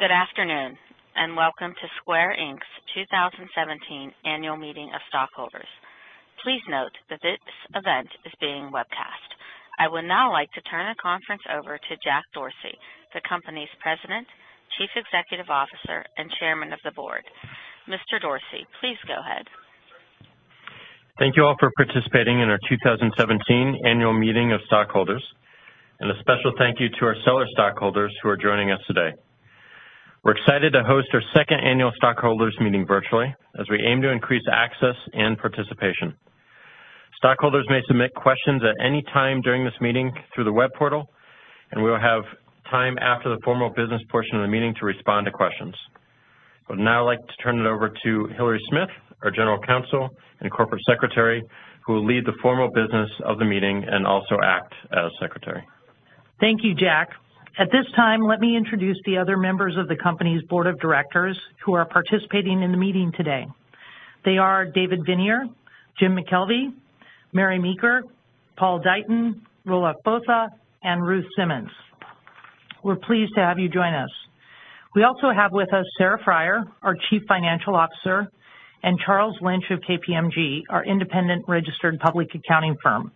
Good afternoon, and welcome to Square, Inc.'s 2017 annual meeting of stockholders. Please note that this event is being webcast. I would now like to turn the conference over to Jack Dorsey, the company's President, Chief Executive Officer, and Chairman of the Board. Mr. Dorsey, please go ahead. Thank you all for participating in our 2017 annual meeting of stockholders, and a special thank you to our stellar stockholders who are joining us today. We're excited to host our second annual stockholders meeting virtually as we aim to increase access and participation. Stockholders may submit questions at any time during this meeting through the web portal, and we will have time after the formal business portion of the meeting to respond to questions. I would now like to turn it over to Hillary Smith, our General Counsel and Corporate Secretary, who will lead the formal business of the meeting and also act as Secretary. Thank you, Jack. At this time, let me introduce the other members of the company's board of directors who are participating in the meeting today. They are David Viniar, Jim McKelvey, Mary Meeker, Paul Deighton, Roelof Botha, and Ruth Simmons. We're pleased to have you join us. We also have with us Sarah Friar, our Chief Financial Officer, and Charles Lynch of KPMG, our independent registered public accounting firm.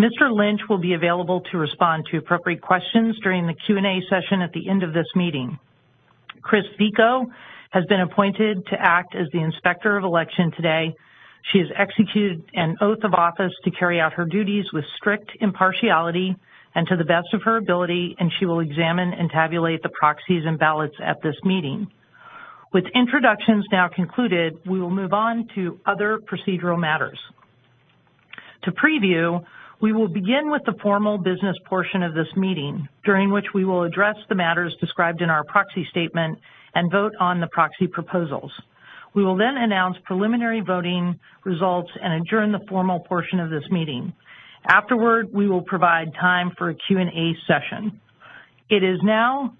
Mr. Lynch will be available to respond to appropriate questions during the Q&A session at the end of this meeting. Chris Vico has been appointed to act as the Inspector of Election today. She has executed an oath of office to carry out her duties with strict impartiality and to the best of her ability, and she will examine and tabulate the proxies and ballots at this meeting. With introductions now concluded, we will move on to other procedural matters. To preview, we will begin with the formal business portion of this meeting, during which we will address the matters described in our proxy statement and vote on the proxy proposals. We will announce preliminary voting results and adjourn the formal portion of this meeting. Afterward, we will provide time for a Q&A session. It is now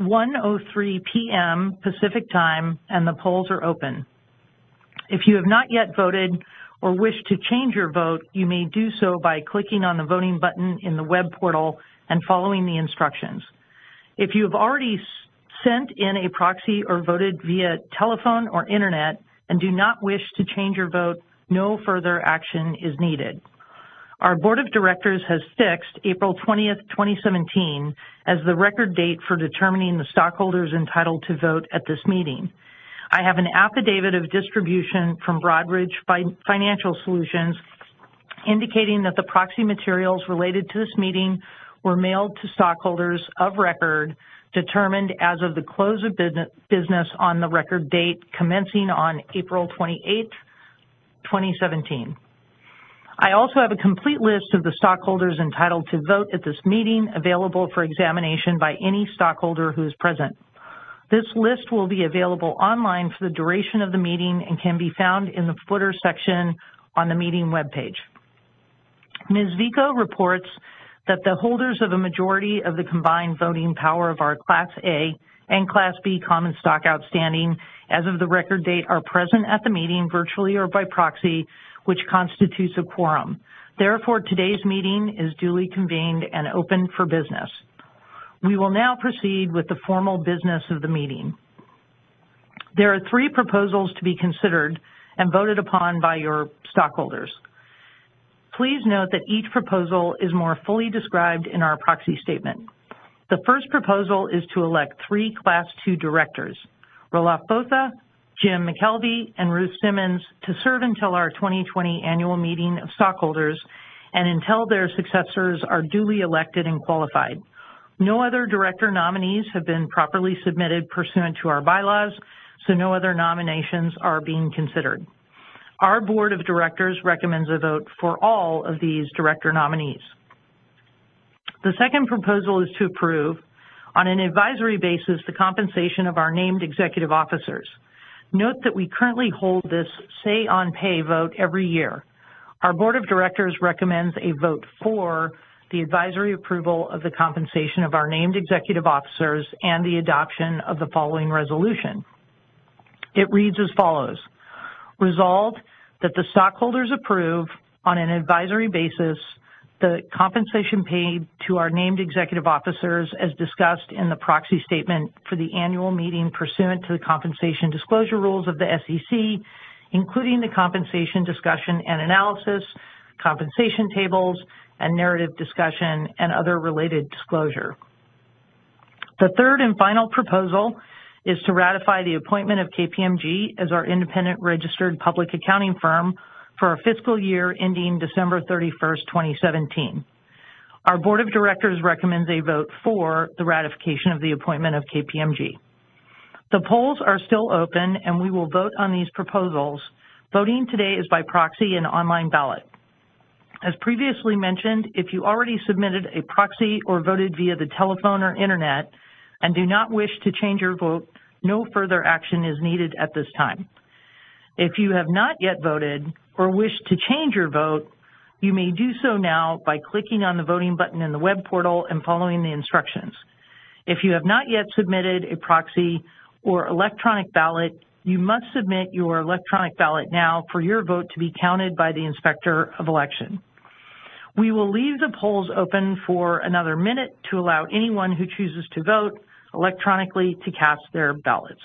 1:03 P.M. Pacific Time, and the polls are open. If you have not yet voted or wish to change your vote, you may do so by clicking on the voting button in the web portal and following the instructions. If you have already sent in a proxy or voted via telephone or internet and do not wish to change your vote, no further action is needed. Our board of directors has fixed April 20th, 2017, as the record date for determining the stockholders entitled to vote at this meeting. I have an affidavit of distribution from Broadridge Financial Solutions indicating that the proxy materials related to this meeting were mailed to stockholders of record, determined as of the close of business on the record date commencing on April 28th, 2017. I also have a complete list of the stockholders entitled to vote at this meeting available for examination by any stockholder who is present. This list will be available online for the duration of the meeting and can be found in the footer section on the meeting webpage. Ms. Vico reports that the holders of a majority of the combined voting power of our Class A and Class B common stock outstanding as of the record date are present at the meeting virtually or by proxy, which constitutes a quorum. Therefore, today's meeting is duly convened and open for business. We will now proceed with the formal business of the meeting. There are 3 proposals to be considered and voted upon by your stockholders. Please note that each proposal is more fully described in our proxy statement. The first proposal is to elect 3 Class 2 directors, Roelof Botha, Jim McKelvey, and Ruth Simmons, to serve until our 2020 annual meeting of stockholders and until their successors are duly elected and qualified. No other director nominees have been properly submitted pursuant to our bylaws, so no other nominations are being considered. Our board of directors recommends a vote for all of these director nominees. The second proposal is to approve, on an advisory basis, the compensation of our named executive officers. Note that we currently hold this say on pay vote every year. Our board of directors recommends a vote for the advisory approval of the compensation of our named executive officers and the adoption of the following resolution. It reads as follows. Resolved that the stockholders approve, on an advisory basis, the compensation paid to our named executive officers as discussed in the proxy statement for the annual meeting pursuant to the compensation disclosure rules of the SEC, including the compensation discussion and analysis, compensation tables, and narrative discussion and other related disclosure. The third and final proposal is to ratify the appointment of KPMG as our independent registered public accounting firm for our fiscal year ending December 31st, 2017. Our board of directors recommends a vote for the ratification of the appointment of KPMG. The polls are still open, and we will vote on these proposals. Voting today is by proxy and online ballot. As previously mentioned, if you already submitted a proxy or voted via the telephone or internet and do not wish to change your vote, no further action is needed at this time. If you have not yet voted or wish to change your vote, you may do so now by clicking on the voting button in the web portal and following the instructions. If you have not yet submitted a proxy or electronic ballot, you must submit your electronic ballot now for your vote to be counted by the inspector of election. We will leave the polls open for another minute to allow anyone who chooses to vote electronically to cast their ballots.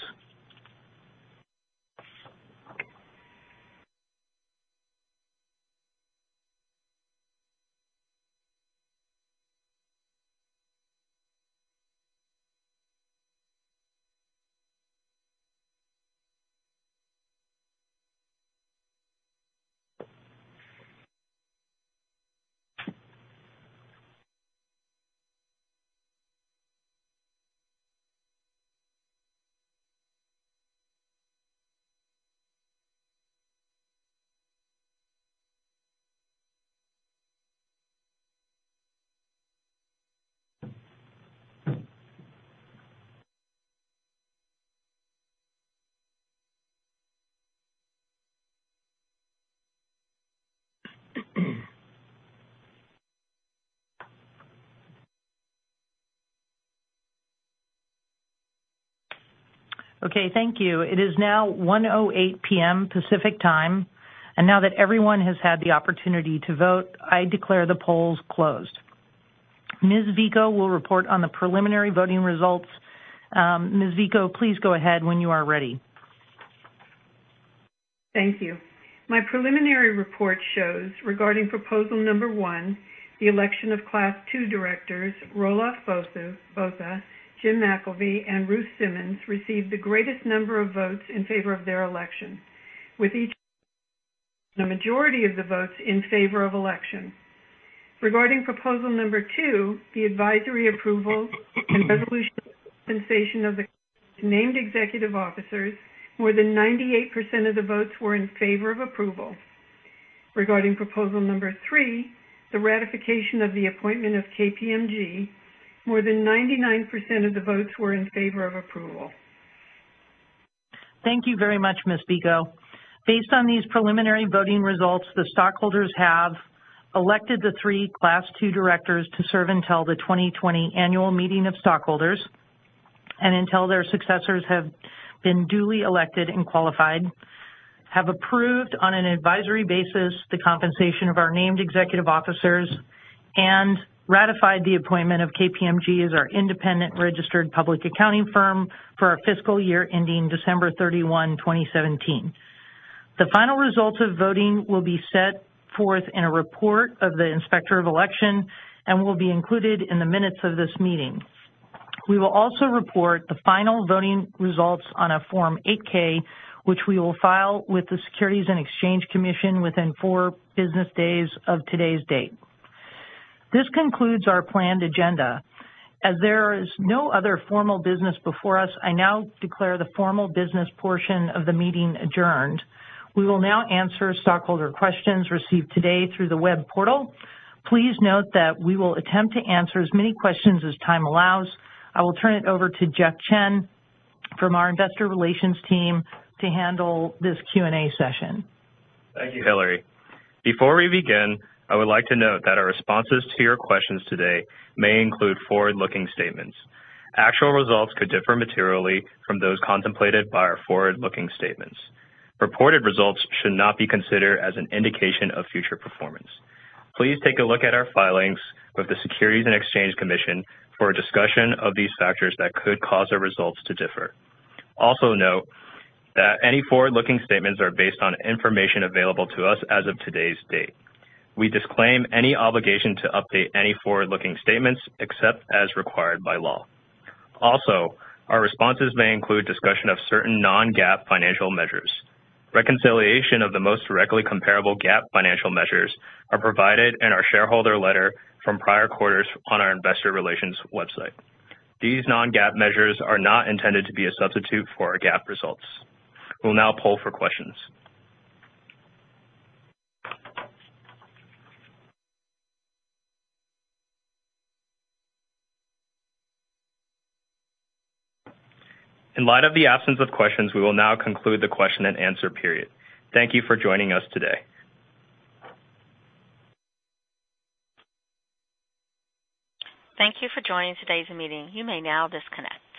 Okay, thank you. It is now 1:08 P.M. Pacific Time, and now that everyone has had the opportunity to vote, I declare the polls closed. Ms. Vico will report on the preliminary voting results. Ms. Vico, please go ahead when you are ready. Thank you. My preliminary report shows regarding proposal number 1, the election of class 2 directors Roelof Botha, Jim McKelvey, and Ruth Simmons received the greatest number of votes in favor of their election, with each the majority of the votes in favor of election. Regarding proposal number 2, the advisory approval and resolution of compensation of the named executive officers, more than 98% of the votes were in favor of approval. Regarding proposal number 3, the ratification of the appointment of KPMG, more than 99% of the votes were in favor of approval. Thank you very much, Ms. Vico. Based on these preliminary voting results, the stockholders have elected the three class 2 directors to serve until the 2020 annual meeting of stockholders and until their successors have been duly elected and qualified, have approved, on an advisory basis, the compensation of our named executive officers, and ratified the appointment of KPMG as our independent registered public accounting firm for our fiscal year ending December 31, 2017. The final results of voting will be set forth in a report of the Inspector of Election and will be included in the minutes of this meeting. We will also report the final voting results on a Form 8-K, which we will file with the Securities and Exchange Commission within four business days of today's date. This concludes our planned agenda. As there is no other formal business before us, I now declare the formal business portion of the meeting adjourned. We will now answer stockholder questions received today through the web portal. Please note that we will attempt to answer as many questions as time allows. I will turn it over to Jason Lee from our investor relations team to handle this Q&A session. Thank you, Hillary. Before we begin, I would like to note that our responses to your questions today may include forward-looking statements. Actual results could differ materially from those contemplated by our forward-looking statements. Reported results should not be considered as an indication of future performance. Please take a look at our filings with the Securities and Exchange Commission for a discussion of these factors that could cause our results to differ. Note that any forward-looking statements are based on information available to us as of today's date. We disclaim any obligation to update any forward-looking statements except as required by law. Our responses may include discussion of certain non-GAAP financial measures. Reconciliation of the most directly comparable GAAP financial measures are provided in our shareholder letter from prior quarters on our investor relations website. These non-GAAP measures are not intended to be a substitute for our GAAP results. We'll now poll for questions. In light of the absence of questions, we will now conclude the question and answer period. Thank you for joining us today. Thank you for joining today's meeting. You may now disconnect.